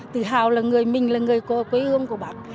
tự hào là người mình là người quý ương của bạc